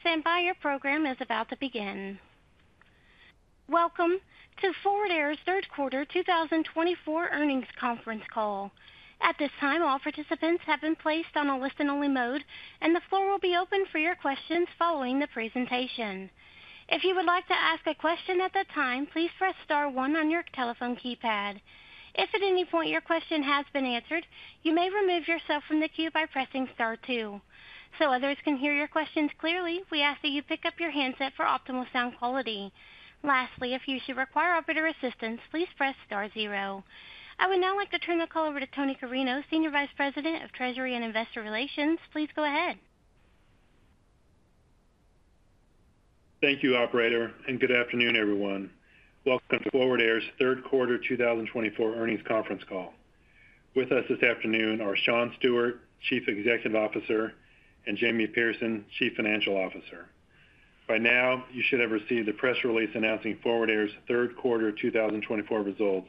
standing by. Your program is about to begin. Welcome to Forward Air's Third Quarter 2024 Earnings Conference Call. At this time, all participants have been placed on a listen-only mode, and the floor will be open for your questions following the presentation. If you would like to ask a question at that time, please press star one on your telephone keypad. If at any point your question has been answered, you may remove yourself from the queue by pressing star two. So others can hear your questions clearly, we ask that you pick up your handset for optimal sound quality. Lastly, if you should require operator assistance, please press star zero. I would now like to turn the call over to Tony Carreño, Senior Vice President of Treasury and Investor Relations. Please go ahead. Thank you, Operator, and good afternoon, everyone. Welcome to Forward Air's Third Quarter 2024 Earnings Conference Call. With us this afternoon are Shawn Stewart, Chief Executive Officer, and Jamie Pierson, Chief Financial Officer. By now, you should have received the press release announcing Forward Air's third quarter 2024 results,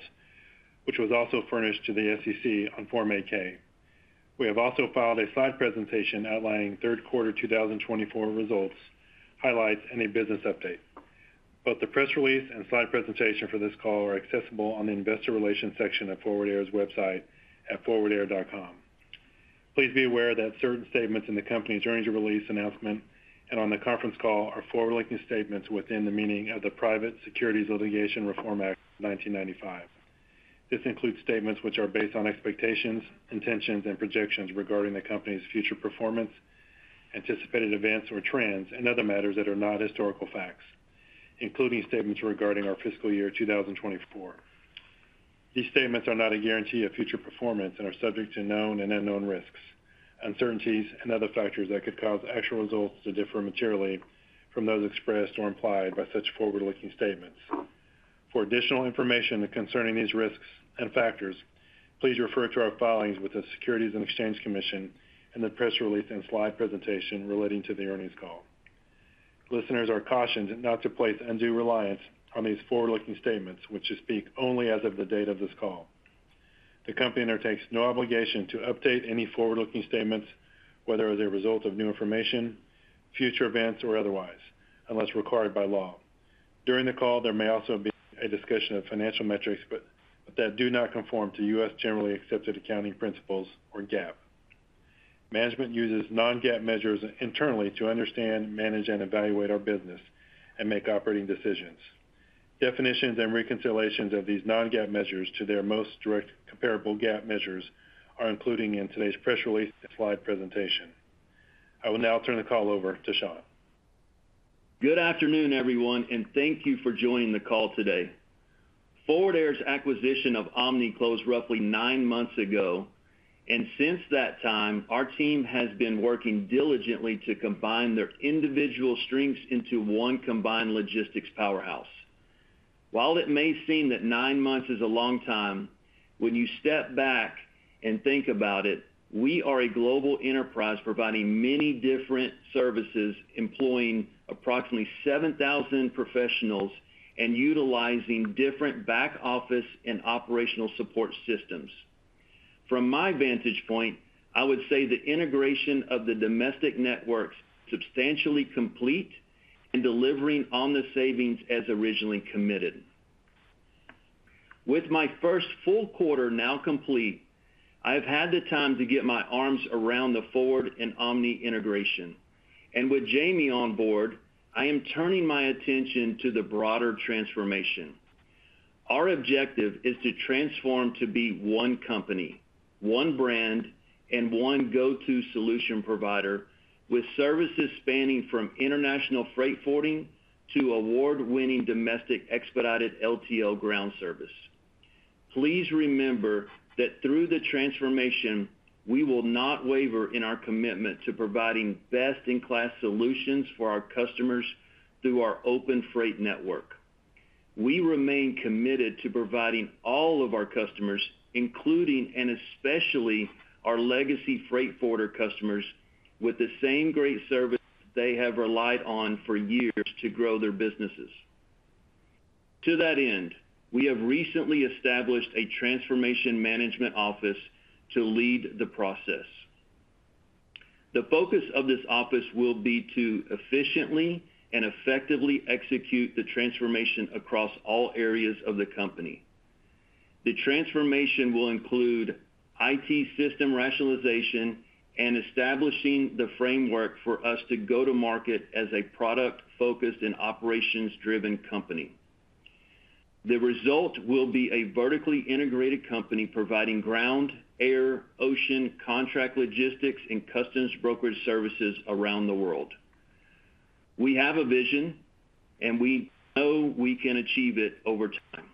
which was also furnished to the SEC on Form 8-K. We have also filed a slide presentation outlining third quarter 2024 results, highlights, and a business update. Both the press release and slide presentation for this call are accessible on the Investor Relations section of Forward Air's website at forwardair.com. Please be aware that certain statements in the company's earnings release announcement and on the conference call are forward-looking statements within the meaning of the Private Securities Litigation Reform Act 1995. This includes statements which are based on expectations, intentions, and projections regarding the company's future performance, anticipated events or trends, and other matters that are not historical facts, including statements regarding our fiscal year 2024. These statements are not a guarantee of future performance and are subject to known and unknown risks, uncertainties, and other factors that could cause actual results to differ materially from those expressed or implied by such forward-looking statements. For additional information concerning these risks and factors, please refer to our filings with the Securities and Exchange Commission and the press release and slide presentation relating to the earnings call. Listeners are cautioned not to place undue reliance on these forward-looking statements, which speak only as of the date of this call. The company undertakes no obligation to update any forward-looking statements, whether as a result of new information, future events, or otherwise, unless required by law. During the call, there may also be a discussion of financial metrics that do not conform to U.S. generally accepted accounting principles or GAAP. Management uses non-GAAP measures internally to understand, manage, and evaluate our business and make operating decisions. Definitions and reconciliations of these non-GAAP measures to their most direct comparable GAAP measures are included in today's press release and slide presentation. I will now turn the call over to Shawn. Good afternoon, everyone, and thank you for joining the call today. Forward Air's acquisition of Omni closed roughly nine months ago, and since that time, our team has been working diligently to combine their individual strengths into one combined logistics powerhouse. While it may seem that nine months is a long time, when you step back and think about it, we are a global enterprise providing many different services, employing approximately 7,000 professionals and utilizing different back office and operational support systems. From my vantage point, I would say the integration of the domestic networks is substantially complete and delivering on the savings as originally committed. With my first full quarter now complete, I have had the time to get my arms around the Forward and Omni integration, and with Jamie on board, I am turning my attention to the broader transformation. Our objective is to transform to be one company, one brand, and one go-to solution provider with services spanning from international freight forwarding to award-winning domestic Expedited LTL ground service. Please remember that through the transformation, we will not waver in our commitment to providing best-in-class solutions for our customers through our open freight network. We remain committed to providing all of our customers, including and especially our legacy freight forwarder customers, with the same great service they have relied on for years to grow their businesses. To that end, we have recently established a Transformation Management Office to lead the process. The focus of this office will be to efficiently and effectively execute the transformation across all areas of the company. The transformation will include IT system rationalization and establishing the framework for us to go to market as a product-focused and operations-driven company. The result will be a vertically integrated company providing ground, air, ocean, contract logistics, and customs brokerage services around the world. We have a vision, and we know we can achieve it over time.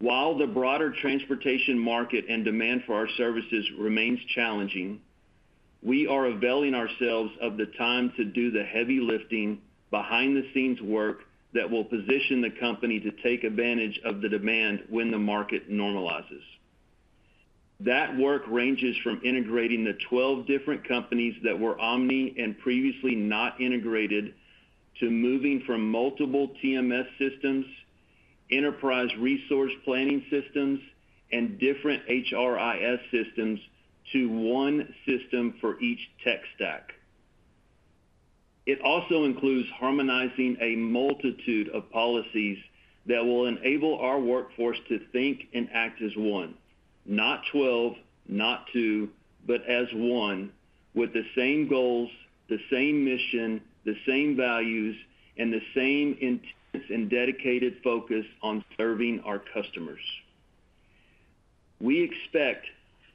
While the broader transportation market and demand for our services remains challenging, we are availing ourselves of the time to do the heavy lifting, behind-the-scenes work that will position the company to take advantage of the demand when the market normalizes. That work ranges from integrating the 12 different companies that were Omni and previously not integrated to moving from multiple TMS systems, enterprise resource planning systems, and different HRIS systems to one system for each tech stack. It also includes harmonizing a multitude of policies that will enable our workforce to think and act as one, not 12, not two, but as one, with the same goals, the same mission, the same values, and the same intent and dedicated focus on serving our customers. We expect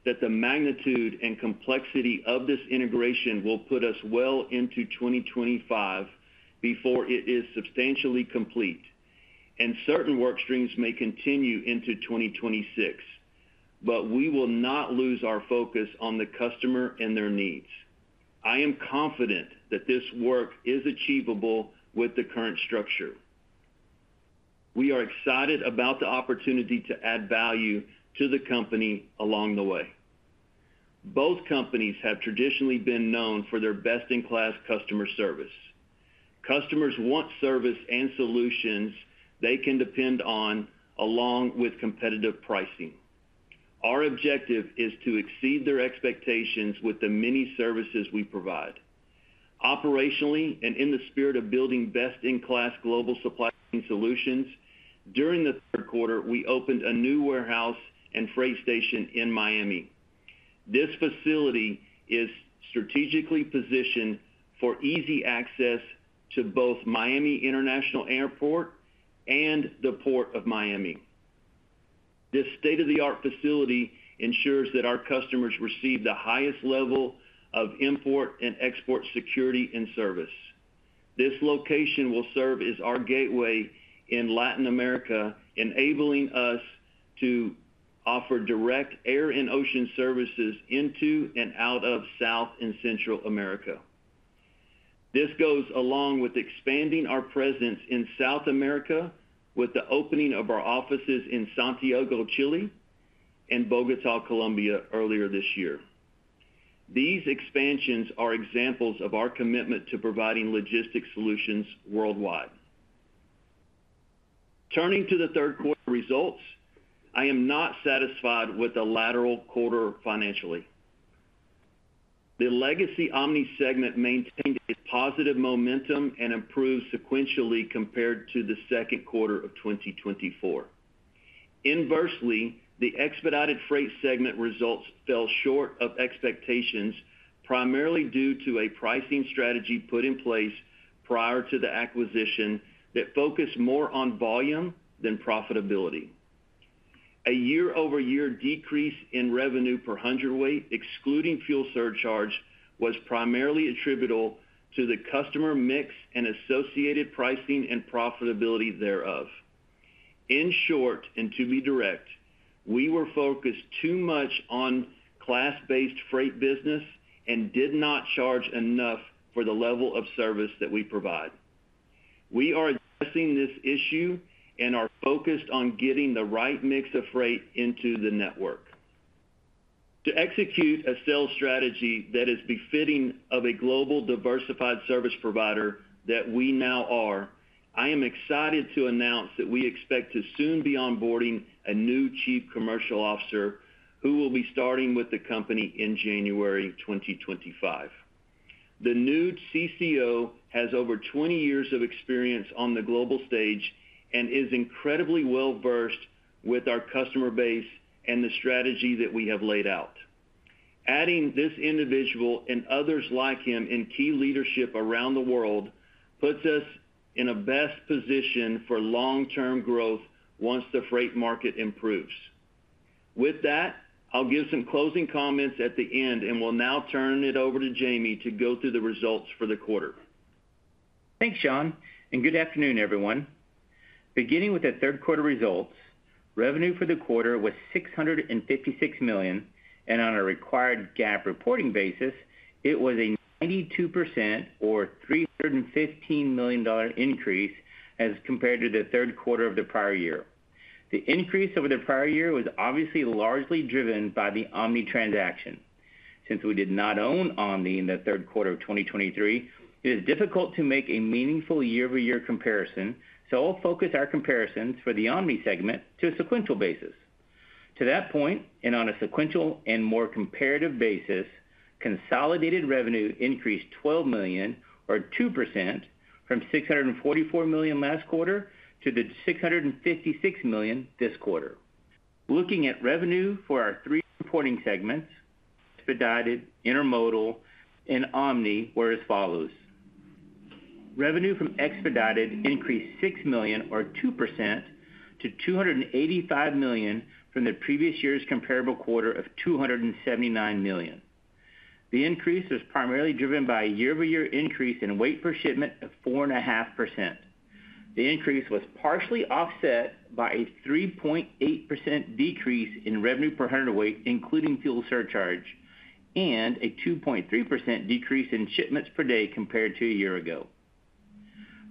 that the magnitude and complexity of this integration will put us well into 2025 before it is substantially complete, and certain work streams may continue into 2026, but we will not lose our focus on the customer and their needs. I am confident that this work is achievable with the current structure. We are excited about the opportunity to add value to the company along the way. Both companies have traditionally been known for their best-in-class customer service. Customers want service and solutions they can depend on along with competitive pricing. Our objective is to exceed their expectations with the many services we provide. Operationally and in the spirit of building best-in-class global supply chain solutions, during the third quarter, we opened a new warehouse and freight station in Miami. This facility is strategically positioned for easy access to both Miami International Airport and the Port of Miami. This state-of-the-art facility ensures that our customers receive the highest level of import and export security and service. This location will serve as our gateway in Latin America, enabling us to offer direct air and ocean services into and out of South and Central America. This goes along with expanding our presence in South America with the opening of our offices in Santiago, Chile, and Bogotá, Colombia, earlier this year. These expansions are examples of our commitment to providing logistics solutions worldwide. Turning to the third quarter results, I am not satisfied with the latter quarter financially. The legacy Omni segment maintained a positive momentum and improved sequentially compared to the second quarter of 2024. Inversely, the Expedited freight segment results fell short of expectations primarily due to a pricing strategy put in place prior to the acquisition that focused more on volume than profitability. A year-over-year decrease in revenue per hundredweight, excluding fuel surcharge, was primarily attributable to the customer mix and associated pricing and profitability thereof. In short, and to be direct, we were focused too much on class-based freight business and did not charge enough for the level of service that we provide. We are addressing this issue and are focused on getting the right mix of freight into the network. To execute a sales strategy that is befitting of a global diversified service provider that we now are, I am excited to announce that we expect to soon be onboarding a new Chief Commercial Officer who will be starting with the company in January 2025. The new CCO has over 20 years of experience on the global stage and is incredibly well-versed with our customer base and the strategy that we have laid out. Adding this individual and others like him in key leadership around the world puts us in a best position for long-term growth once the freight market improves. With that, I'll give some closing comments at the end, and we'll now turn it over to Jamie to go through the results for the quarter. Thanks, Shawn, and good afternoon, everyone. Beginning with the third quarter results, revenue for the quarter was $656 million, and on a required GAAP reporting basis, it was a 92% or $315 million increase as compared to the third quarter of the prior year. The increase over the prior year was obviously largely driven by the Omni transaction. Since we did not own Omni in the third quarter of 2023, it is difficult to make a meaningful year-over-year comparison, so I'll focus our comparisons for the Omni segment to a sequential basis. To that point, and on a sequential and more comparative basis, consolidated revenue increased $12 million, or 2%, from $644 million last quarter to the $656 million this quarter. Looking at revenue for our three reporting segments, Expedited, Intermodal, and Omni, as follows. Revenue from Expedited increased $6 million, or 2%, to $285 million from the previous year's comparable quarter of $279 million. The increase was primarily driven by a year-over-year increase in weight per shipment of 4.5%. The increase was partially offset by a 3.8% decrease in revenue per hundredweight, including fuel surcharge, and a 2.3% decrease in shipments per day compared to a year ago.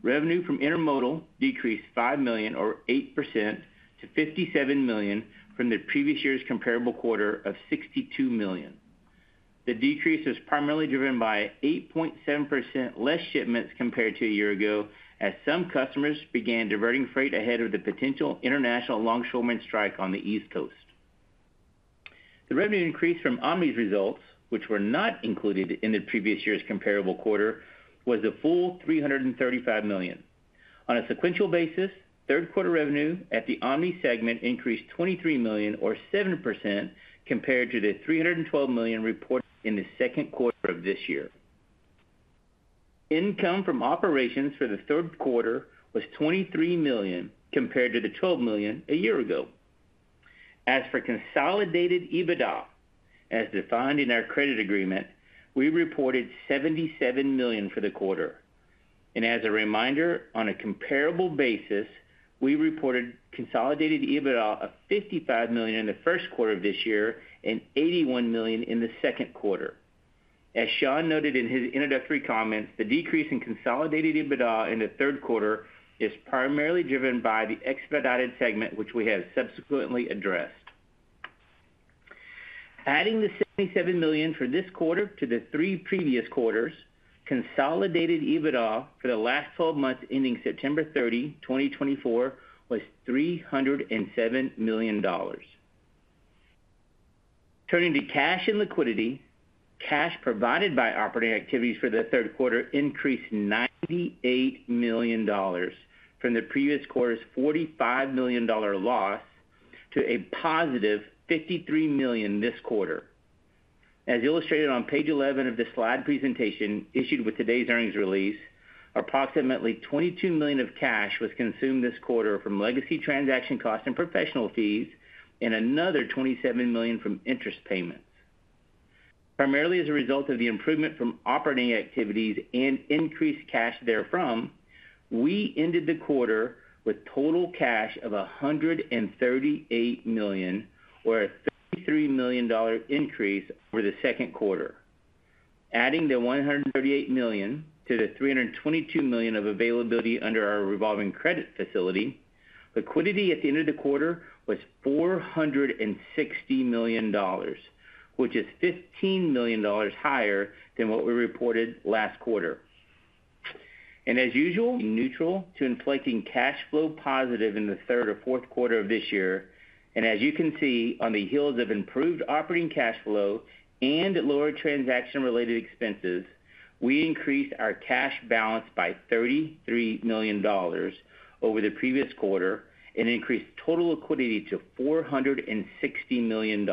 Revenue from Intermodal decreased $5 million, or 8%, to $57 million from the previous year's comparable quarter of $62 million. The decrease was primarily driven by 8.7% less shipments compared to a year ago, as some customers began diverting freight ahead of the potential international longshoremen strike on the East Coast. The revenue increase from Omni's results, which were not included in the previous year's comparable quarter, was a full $335 million. On a sequential basis, third quarter revenue at the Omni segment increased $23 million, or 7%, compared to the $312 million reported in the second quarter of this year. Income from operations for the third quarter was $23 million compared to the $12 million a year ago. As for consolidated EBITDA, as defined in our credit agreement, we reported $77 million for the quarter. And as a reminder, on a comparable basis, we reported consolidated EBITDA of $55 million in the first quarter of this year and $81 million in the second quarter. As Shawn noted in his introductory comments, the decrease in consolidated EBITDA in the third quarter is primarily driven by the Expedited segment, which we have subsequently addressed. Adding the $77 million for this quarter to the three previous quarters, consolidated EBITDA for the last 12 months ending September 30, 2024, was $307 million. Turning to cash and liquidity, cash provided by operating activities for the third quarter increased $98 million from the previous quarter's $45 million loss to a $+53 million this quarter. As illustrated on page 11 of the slide presentation issued with today's earnings release, approximately $22 million of cash was consumed this quarter from legacy transaction costs and professional fees, and another $27 million from interest payments. Primarily as a result of the improvement from operating activities and increased cash therefrom, we ended the quarter with total cash of $138 million, or a $33 million increase over the second quarter. Adding the $138 million to the $322 million of availability under our revolving credit facility, liquidity at the end of the quarter was $460 million, which is $15 million higher than what we reported last quarter. As usual, neutral to inflection cash flow positive in the third or fourth quarter of this year. As you can see, on the heels of improved operating cash flow and lower transaction-related expenses, we increased our cash balance by $33 million over the previous quarter and increased total liquidity to $460 million,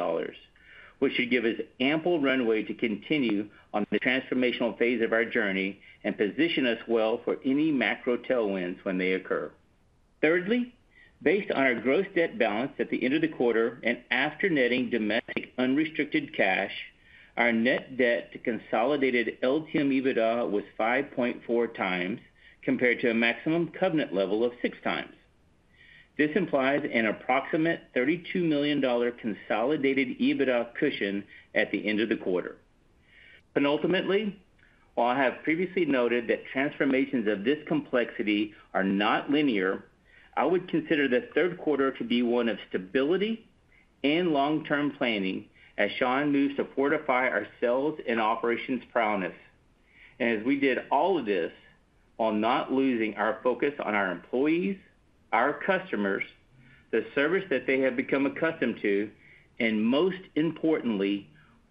which should give us ample runway to continue on the transformational phase of our journey and position us well for any macro tailwinds when they occur. Thirdly, based on our gross debt balance at the end of the quarter and after netting domestic unrestricted cash, our net debt to consolidated LTM EBITDA was 5.4x compared to a maximum covenant level of six times. This implies an approximate $32 million consolidated EBITDA cushion at the end of the quarter. Penultimately, while I have previously noted that transformations of this complexity are not linear, I would consider the third quarter to be one of stability and long-term planning as Shawn moves to fortify our sales and operations prowess, and as we did all of this, while not losing our focus on our employees, our customers, the service that they have become accustomed to, and most importantly,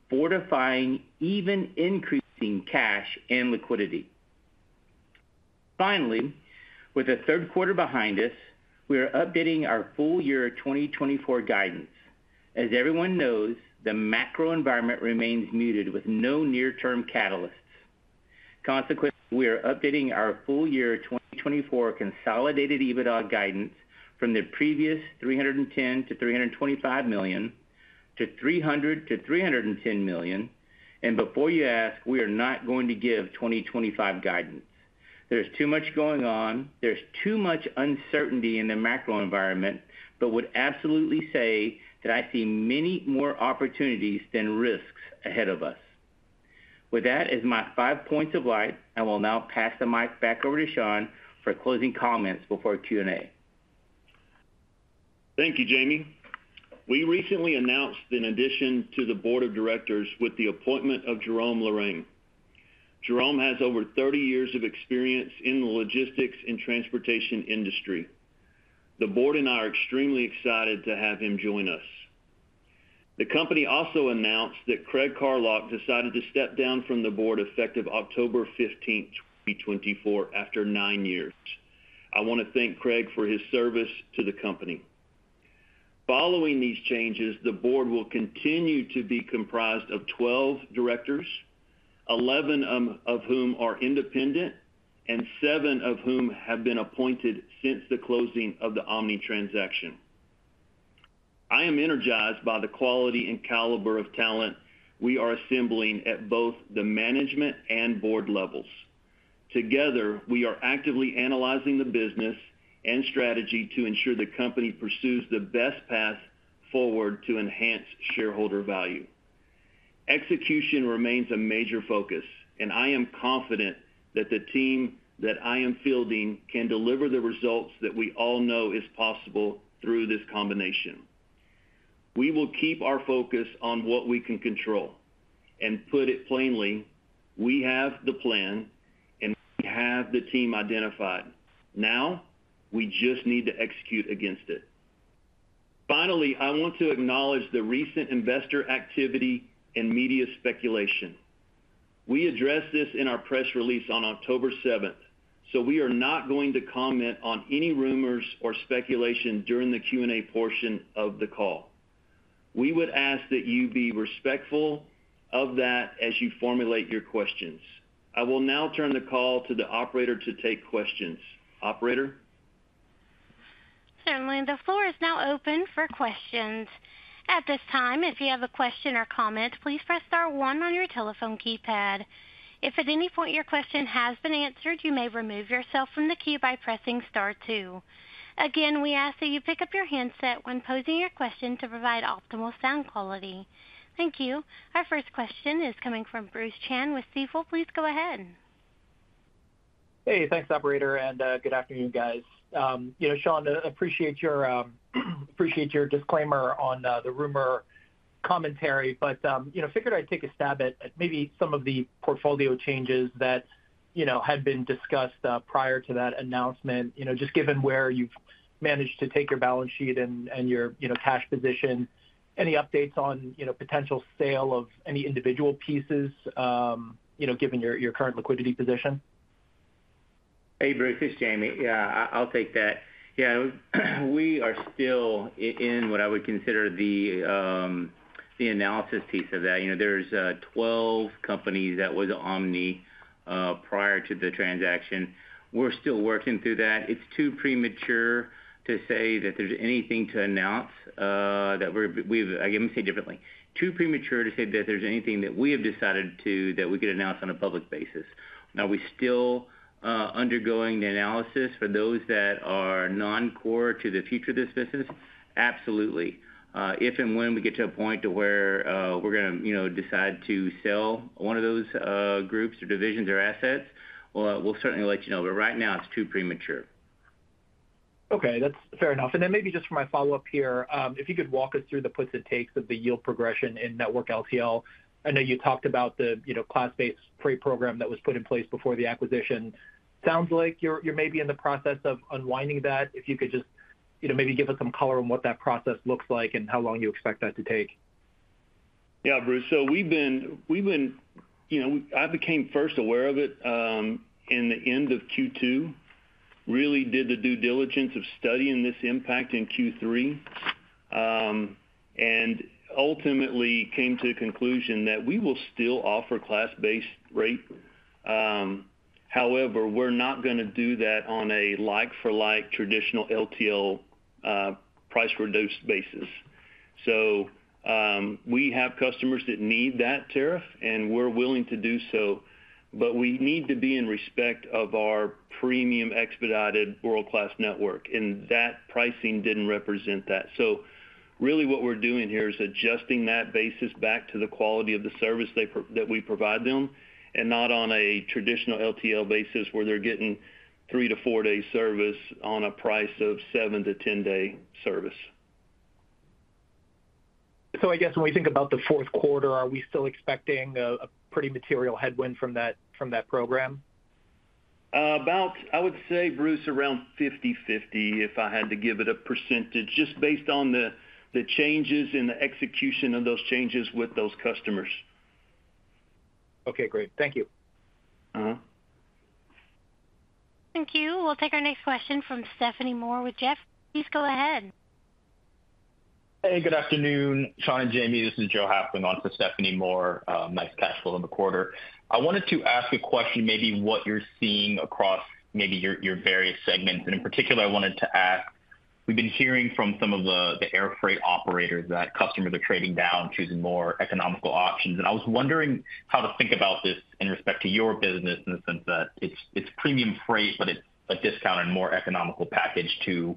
fortifying even increasing cash and liquidity. Finally, with the third quarter behind us, we are updating our full year 2024 guidance, as everyone knows, the macro environment remains muted with no near-term catalysts. Consequently, we are updating our full year 2024 consolidated EBITDA guidance from the previous $310 million-$325 million to $300million-$310 million, and before you ask, we are not going to give 2025 guidance. There's too much going on. There's too much uncertainty in the macro environment, but I would absolutely say that I see many more opportunities than risks ahead of us. With that, as my five points of light, I will now pass the mic back over to Shawn for closing comments before Q&A. Thank you, Jamie. We recently announced an addition to the Board of Directors with the appointment of Jerome Lorrain. Jerome has over 30 years of experience in the logistics and transportation industry. The Board and I are extremely excited to have him join us. The company also announced that Craig Carlock decided to step down from the Board effective October 15th, 2024, after nine years. I want to thank Craig for his service to the company. Following these changes, the Board will continue to be comprised of 12 directors, 11 of whom are independent, and seven of whom have been appointed since the closing of the Omni transaction. I am energized by the quality and caliber of talent we are assembling at both the management and board levels. Together, we are actively analyzing the business and strategy to ensure the company pursues the best path forward to enhance shareholder value. Execution remains a major focus, and I am confident that the team that I am fielding can deliver the results that we all know is possible through this combination. We will keep our focus on what we can control. And put it plainly, we have the plan, and we have the team identified. Now, we just need to execute against it. Finally, I want to acknowledge the recent investor activity and media speculation. We addressed this in our press release on October 7th, so we are not going to comment on any rumors or speculation during the Q&A portion of the call. We would ask that you be respectful of that as you formulate your questions. I will now turn the call to the operator to take questions. Operator. Certainly. The floor is now open for questions. At this time, if you have a question or comment, please press star one on your telephone keypad. If at any point your question has been answered, you may remove yourself from the queue by pressing star two. Again, we ask that you pick up your handset when posing your question to provide optimal sound quality. Thank you. Our first question is coming from Bruce Chan with Stifel. Please go ahead. Hey, thanks, Operator, and good afternoon, guys. Shawn, I appreciate your disclaimer on the rumor commentary, but figured I'd take a stab at maybe some of the portfolio changes that had been discussed prior to that announcement, just given where you've managed to take your balance sheet and your cash position. Any updates on potential sale of any individual pieces, given your current liquidity position? Hey, Bruce, it's Jamie. Yeah, I'll take that. Yeah, we are still in what I would consider the analysis piece of that. There's 12 companies that was Omni prior to the transaction. We're still working through that. It's too premature to say that there's anything to announce that we've. I'm going to say it differently. Too premature to say that there's anything that we have decided to that we could announce on a public basis. Are we still undergoing the analysis for those that are non-core to the future of this business? Absolutely. If and when we get to a point to where we're going to decide to sell one of those groups or divisions or assets, we'll certainly let you know. But right now, it's too premature. Okay, that's fair enough. And then maybe just for my follow-up here, if you could walk us through the puts and takes of the yield progression in network LTL. I know you talked about the class-based pricing program that was put in place before the acquisition. Sounds like you're maybe in the process of unwinding that. If you could just maybe give us some color on what that process looks like and how long you expect that to take. Yeah, Bruce, so I became first aware of it in the end of Q2, really did the due diligence of studying this impact in Q3, and ultimately came to the conclusion that we will still offer class-based rate. However, we're not going to do that on a like-for-like traditional LTL price reduced basis. So we have customers that need that tariff, and we're willing to do so, but we need to be in respect of our premium Expedited world-class network, and that pricing didn't represent that. So really what we're doing here is adjusting that basis back to the quality of the service that we provide them, and not on a traditional LTL basis where they're getting three to four days service on a price of seven to ten day service. So I guess when we think about the fourth quarter, are we still expecting a pretty material headwind from that program? About, I would say, Bruce, around 50/50 if I had to give it a percentage, just based on the changes and the execution of those changes with those customers. Okay, great. Thank you. Thank you. We'll take our next question from Stephanie Moore with Jefferies. Please go ahead. Hey, good afternoon. Shawn and Jamie, this is Joe Hafling on for Stephanie Moore. Like cash flow in the quarter. I wanted to ask a question, maybe what you're seeing across maybe your various segments. And in particular, I wanted to ask, we've been hearing from some of the air freight operators that customers are trading down, choosing more economical options. And I was wondering how to think about this in respect to your business in the sense that it's premium freight, but it's a discounted more economical package to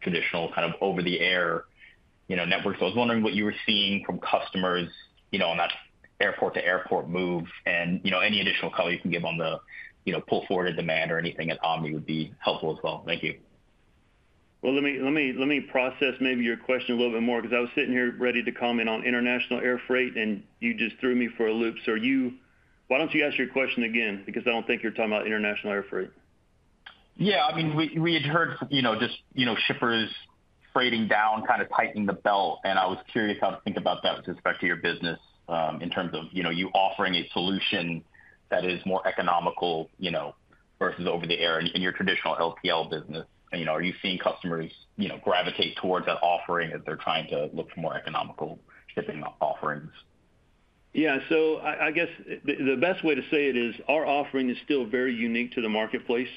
traditional kind of over-the-air network. So I was wondering what you were seeing from customers on that airport-to-airport move. And any additional color you can give on the pull forward of demand or anything at Omni would be helpful as well. Thank you. Let me process maybe your question a little bit more because I was sitting here ready to comment on international air freight, and you just threw me for a loop. Why don't you ask your question again because I don't think you're talking about international air freight? Yeah, I mean, we had heard just shippers trading down, kind of tightening the belt. And I was curious how to think about that with respect to your business in terms of you offering a solution that is more economical versus over-the-road in your traditional LTL business. Are you seeing customers gravitate towards that offering as they're trying to look for more economical shipping offerings? Yeah, so I guess the best way to say it is our offering is still very unique to the marketplace.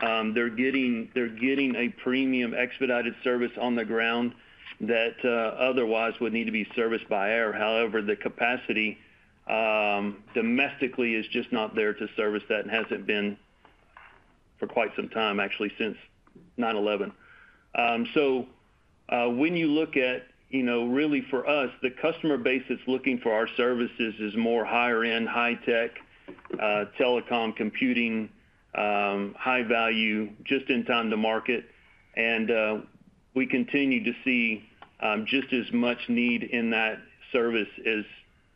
They're getting a premium Expedited service on the ground that otherwise would need to be serviced by air. However, the capacity domestically is just not there to service that and hasn't been for quite some time, actually, since 9/11. So when you look at really for us, the customer base that's looking for our services is more higher-end, high-tech, telecom, computing, high value, just in time to market. And we continue to see just as much need in that service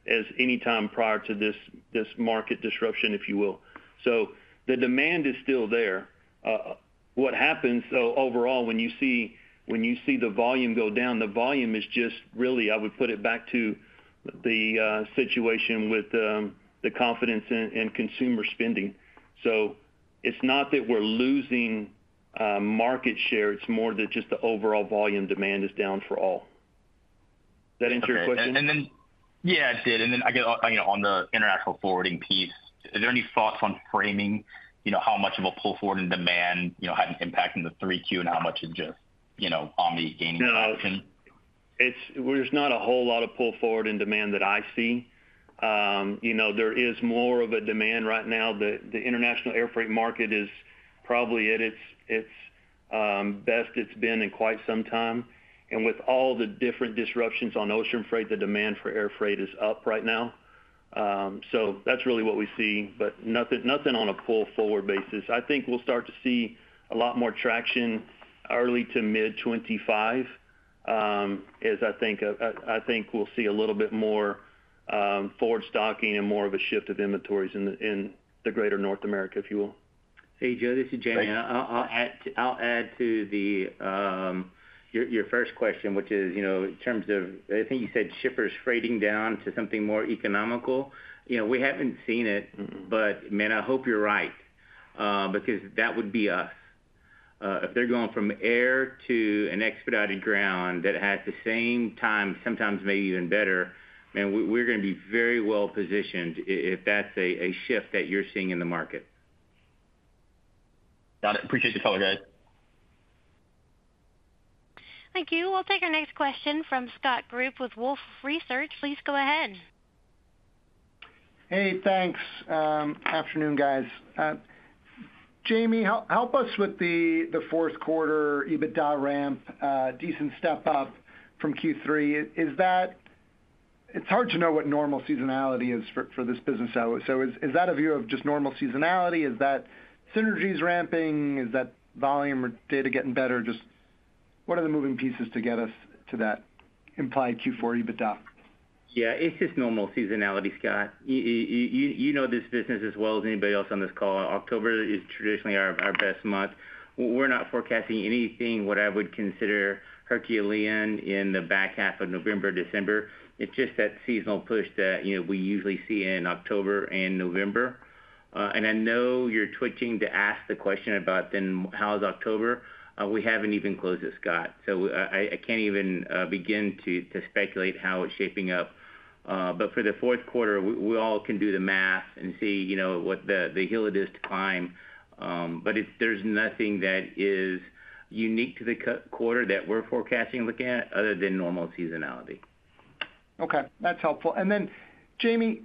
as any time prior to this market disruption, if you will. So the demand is still there. What happens overall when you see the volume go down, the volume is just really, I would put it back to the situation with the confidence in consumer spending. So it's not that we're losing market share. It's more that just the overall volume demand is down for all. Does that answer your question? And then, yeah, it did. And then I guess on the international forwarding piece, is there any thoughts on framing how much of a pull forward in demand had an impact in the 3Q and how much is just Omni gaining traction? There's not a whole lot of pull forward in demand that I see. There is more of a demand right now. The international air freight market is probably at its best. It's been in quite some time, and with all the different disruptions on ocean freight, the demand for air freight is up right now. So that's really what we see, but nothing on a pull forward basis. I think we'll start to see a lot more traction early to mid-2025, as I think we'll see a little bit more forward stocking and more of a shift of inventories in the greater North America, if you will. Hey, Joe, this is Jamie. I'll add to your first question, which is in terms of I think you said shippers trading down to something more economical. We haven't seen it, but man, I hope you're right because that would be us. If they're going from air to an expedited ground that has the same time, sometimes maybe even better, man, we're going to be very well positioned if that's a shift that you're seeing in the market. Got it. Appreciate the color, guys. Thank you. We'll take our next question from Scott Group with Wolfe Research. Please go ahead. Hey, thanks. Afternoon, guys. Jamie, help us with the fourth quarter EBITDA ramp, decent step up from Q3. It's hard to know what normal seasonality is for this business. So is that a view of just normal seasonality? Is that synergies ramping? Is that volume or data getting better? Just what are the moving pieces to get us to that implied Q4 EBITDA? Yeah, it's just normal seasonality, Scott. You know this business as well as anybody else on this call. October is traditionally our best month. We're not forecasting anything what I would consider Herculean in the back half of November, December. It's just that seasonal push that we usually see in October and November, and I know you're twitching to ask the question about then how's October. We haven't even closed it, Scott. So I can't even begin to speculate how it's shaping up, but for the fourth quarter, we all can do the math and see what the hell it is to climb, but there's nothing that is unique to the quarter that we're forecasting and looking at other than normal seasonality. Okay, that's helpful. And then, Jamie,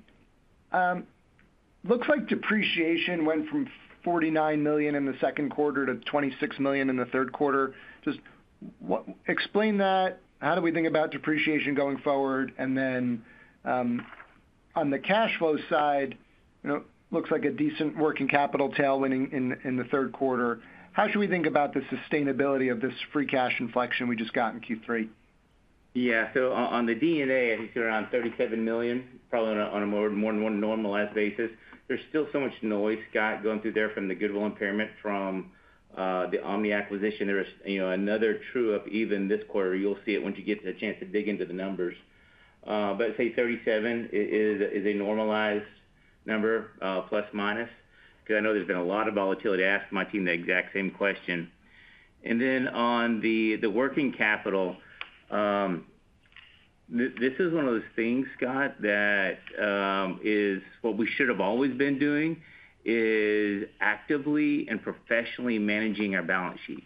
looks like depreciation went from $49 million in the second quarter to $26 million in the third quarter. Just explain that. How do we think about depreciation going forward? And then on the cash flow side, looks like a decent working capital tailwind in the third quarter. How should we think about the sustainability of this free cash inflection we just got in Q3? Yeah, so on the EBITDA, I think you're around $37 million, probably on a more normalized basis. There's still so much noise, Scott, going through there from the goodwill impairment from the Omni acquisition. There was another true-up even this quarter. You'll see it once you get the chance to dig into the numbers. But say $37 is a normalized number, plus minus, because I know there's been a lot of volatility. I asked my team the exact same question. And then on the working capital, this is one of those things, Scott, that is what we should have always been doing is actively and professionally managing our balance sheet.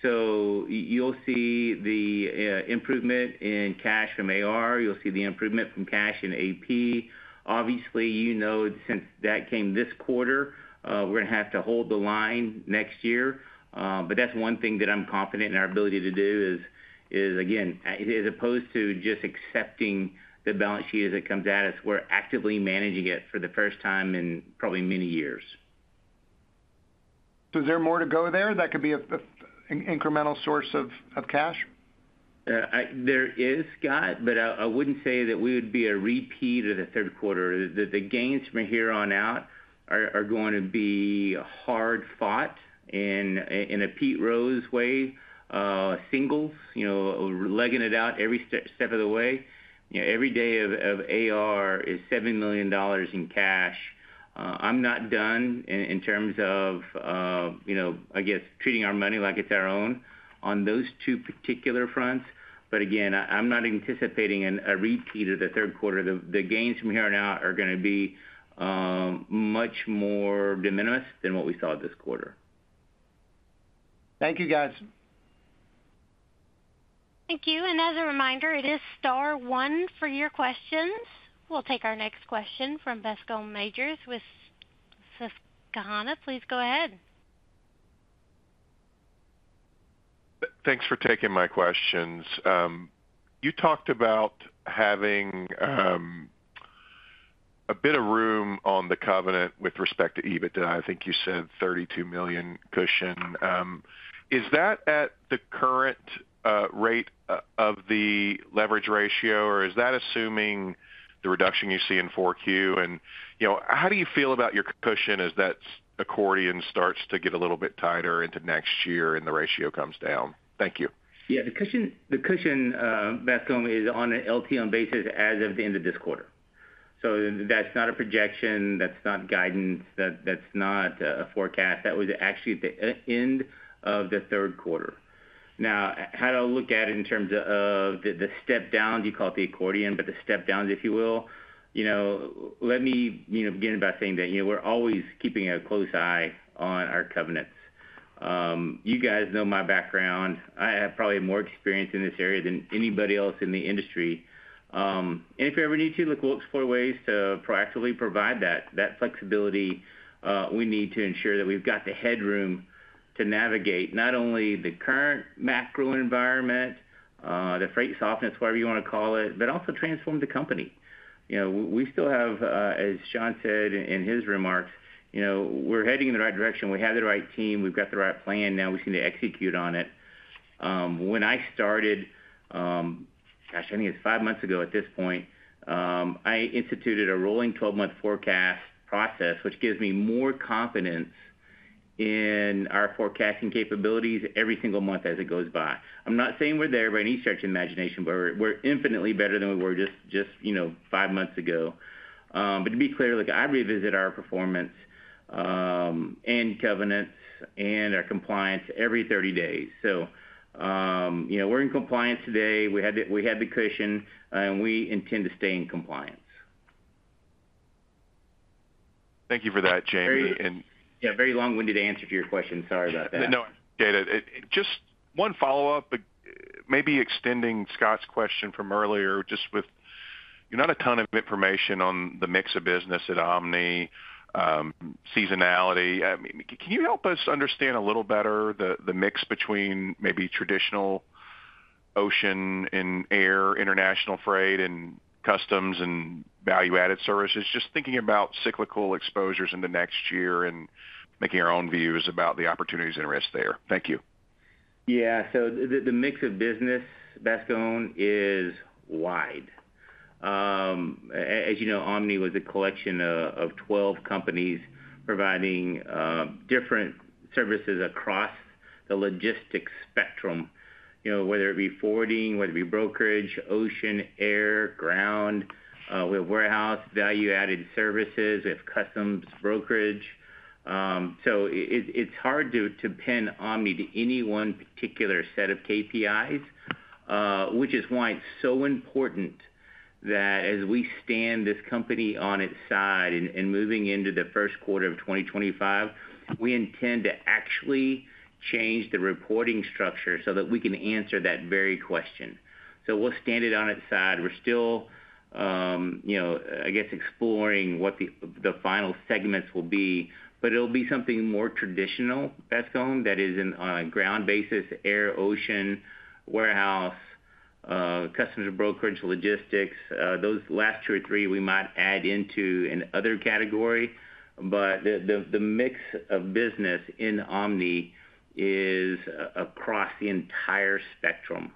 So you'll see the improvement in cash from AR. You'll see the improvement from cash in AP. Obviously, you know since that came this quarter, we're going to have to hold the line next year. But that's one thing that I'm confident in our ability to do is, again, as opposed to just accepting the balance sheet as it comes at us, we're actively managing it for the first time in probably many years. So is there more to go there that could be an incremental source of cash? There is, Scott, but I wouldn't say that we would be a repeat of the third quarter. The gains from here on out are going to be hard fought in a Pete Rose way, singles, legging it out every step of the way. Every day of AR is $7 million in cash. I'm not done in terms of, I guess, treating our money like it's our own on those two particular fronts. But again, I'm not anticipating a repeat of the third quarter. The gains from here on out are going to be much more de minimis than what we saw this quarter. Thank you, guys. Thank you, and as a reminder, it is star one for your questions. We'll take our next question from Bascome Majors with Susquehanna. Please go ahead. Thanks for taking my questions. You talked about having a bit of room on the covenant with respect to EBITDA. I think you said $32 million cushion. Is that at the current rate of the leverage ratio, or is that assuming the reduction you see in 4Q? And how do you feel about your cushion as that accordion starts to get a little bit tighter into next year and the ratio comes down? Thank you. Yeah, the cushion, Bascome, is on an LTL basis as of the end of this quarter. So that's not a projection. That's not guidance. That's not a forecast. That was actually the end of the third quarter. Now, how do I look at it in terms of the step downs? You call it the accordion, but the step downs, if you will. Let me begin by saying that we're always keeping a close eye on our covenants. You guys know my background. I have probably more experience in this area than anybody else in the industry, and if you ever need to, look, we'll explore ways to proactively provide that flexibility. We need to ensure that we've got the headroom to navigate not only the current macro environment, the freight softness, whatever you want to call it, but also transform the company. We still have, as Shawn said in his remarks, we're heading in the right direction. We have the right team. We've got the right plan. Now we seem to execute on it. When I started, gosh, I think it's five months ago at this point, I instituted a rolling 12-month forecast process, which gives me more confidence in our forecasting capabilities every single month as it goes by. I'm not saying we're there by any stretch of imagination, but we're infinitely better than we were just five months ago. But to be clear, look, I revisit our performance and covenants and our compliance every 30 days. So we're in compliance today. We had the cushion, and we intend to stay in compliance. Thank you for that, Jamie. Yeah, very long-winded answer to your question. Sorry about that. No worries, Jamie. Just one follow-up, maybe extending Scott's question from earlier, just with not a ton of information on the mix of business at Omni, seasonality. Can you help us understand a little better the mix between maybe traditional ocean and air international freight and customs and value-added services? Just thinking about cyclical exposures in the next year and making our own views about the opportunities and risks there. Thank you. Yeah, so the mix of business, Bascome, is wide. As you know, Omni was a collection of 12 companies providing different services across the logistics spectrum, whether it be forwarding, whether it be brokerage, ocean, air, ground. We have warehouse value-added services. We have customs brokerage. So it's hard to pin Omni to any one particular set of KPIs, which is why it's so important that as we stand this company on its side and moving into the first quarter of 2025, we intend to actually change the reporting structure so that we can answer that very question. So we'll stand it on its side. We're still, I guess, exploring what the final segments will be, but it'll be something more traditional, Bascome, that is on a ground basis, air, ocean, warehouse, customs brokerage, logistics. Those last two or three we might add into another category, but the mix of business in Omni is across the entire spectrum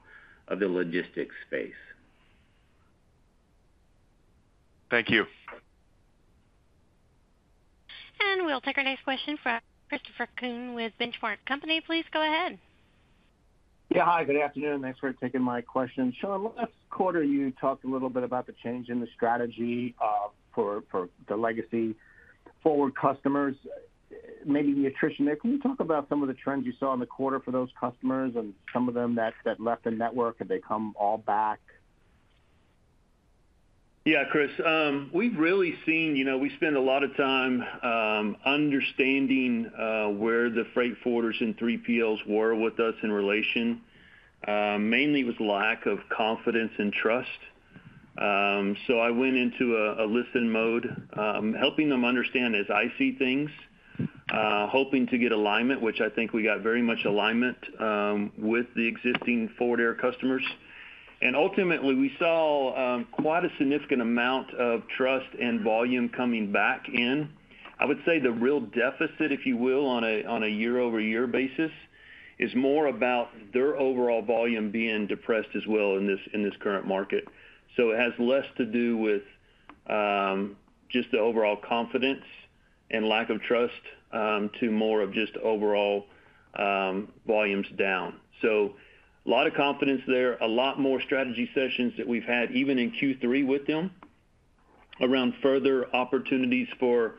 of the logistics space. Thank you. And we'll take our next question from Christopher Kuhn with Benchmark Company. Please go ahead. Yeah, hi, good afternoon. Thanks for taking my question. Shawn, last quarter, you talked a little bit about the change in the strategy for the legacy Forward customers. Maybe you, Shawn, can you talk about some of the trends you saw in the quarter for those customers and some of them that left the network? Have they come all back? Yeah, Chris, we've really seen we spend a lot of time understanding where the freight forwarders and 3PLs were with us in relation, mainly with lack of confidence and trust. So I went into a listen mode, helping them understand as I see things, hoping to get alignment, which I think we got very much alignment with the existing Forward Air customers. And ultimately, we saw quite a significant amount of trust and volume coming back in. I would say the real deficit, if you will, on a year-over-year basis is more about their overall volume being depressed as well in this current market. So it has less to do with just the overall confidence and lack of trust to more of just overall volumes down. So a lot of confidence there, a lot more strategy sessions that we've had even in Q3 with them around further opportunities for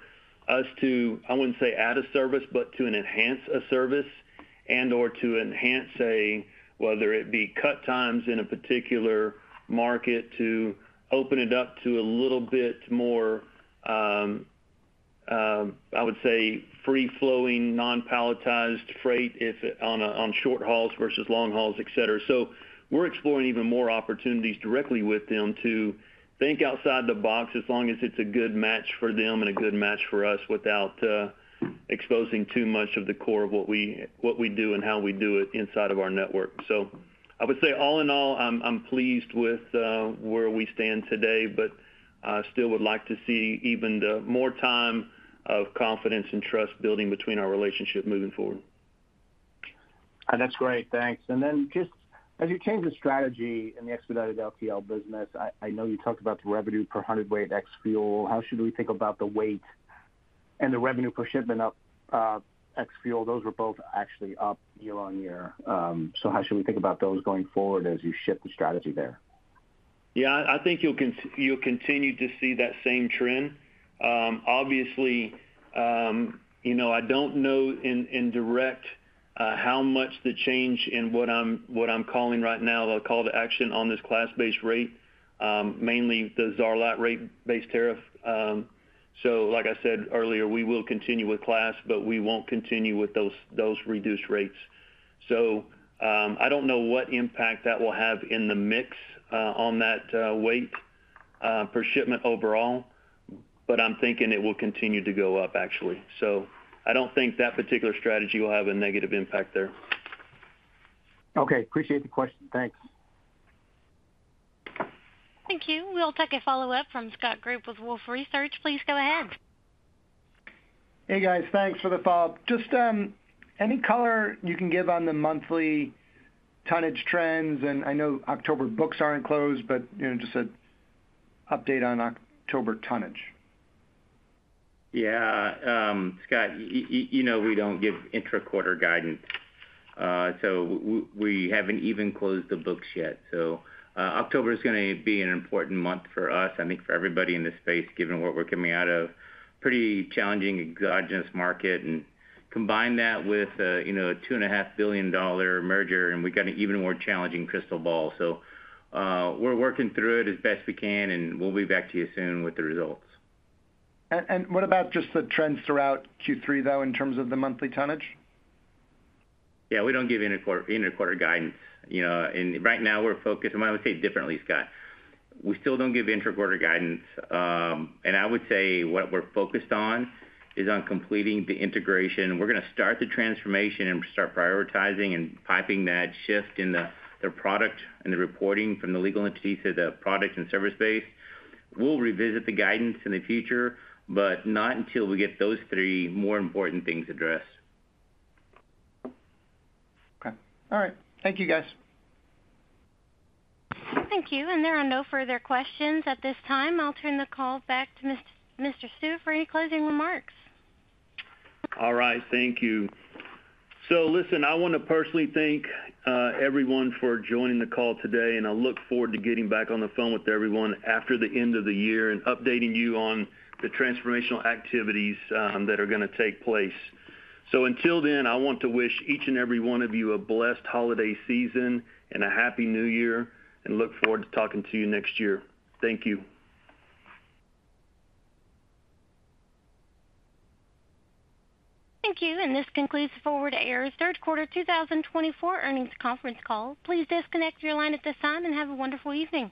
us to, I wouldn't say add a service, but to enhance a service and/or to enhance, whether it be cut times in a particular market, to open it up to a little bit more, I would say, free-flowing, non-palletized freight on short hauls versus long hauls, etc. So we're exploring even more opportunities directly with them to think outside the box as long as it's a good match for them and a good match for us without exposing too much of the core of what we do and how we do it inside of our network. So I would say all in all, I'm pleased with where we stand today, but I still would like to see even more time of confidence and trust building between our relationship moving forward. That's great. Thanks. And then just as you change the strategy in the Expedited LTL business, I know you talked about the revenue per hundred weight X fuel. How should we think about the weight and the revenue per shipment X fuel? Those were both actually up year on year. So how should we think about those going forward as you shift the strategy there? Yeah, I think you'll continue to see that same trend. Obviously, I don't know indirect how much the change in what I'm calling right now, the call to action on this class-based rate, mainly the CzarLite rate-based tariff. So like I said earlier, we will continue with class, but we won't continue with those reduced rates. So I don't know what impact that will have in the mix on that weight per shipment overall, but I'm thinking it will continue to go up, actually. So I don't think that particular strategy will have a negative impact there. Okay, appreciate the question. Thanks. Thank you. We'll take a follow-up from Scott Group with Wolfe Research. Please go ahead. Hey, guys, thanks for the follow-up. Just any color you can give on the monthly tonnage trends, and I know October books aren't closed, but just an update on October tonnage. Yeah, Scott, you know we don't give intra-quarter guidance. So we haven't even closed the books yet. So October is going to be an important month for us, I think for everybody in this space, given what we're coming out of, pretty challenging, exogenous market. And combine that with a $2.5 billion merger, and we've got an even more challenging crystal ball. So we're working through it as best we can, and we'll be back to you soon with the results. What about just the trends throughout Q3, though, in terms of the monthly tonnage? Yeah, we don't give intra-quarter guidance. And right now, we're focused. I would say differently, Scott. We still don't give intra-quarter guidance. And I would say what we're focused on is on completing the integration. We're going to start the transformation and start prioritizing and piping that shift in the product and the reporting from the legal entity to the product and service base. We'll revisit the guidance in the future, but not until we get those three more important things addressed. Okay. All right. Thank you, guys. Thank you, and there are no further questions at this time. I'll turn the call back to Mr. Stewart for any closing remarks. All right. Thank you. So listen, I want to personally thank everyone for joining the call today, and I look forward to getting back on the phone with everyone after the end of the year and updating you on the transformational activities that are going to take place. So until then, I want to wish each and every one of you a blessed holiday season and a happy New Year, and look forward to talking to you next year. Thank you. Thank you. And this concludes the Forward Air's Third Quarter 2024 Earnings Conference Call. Please disconnect your line at this time and have a wonderful evening.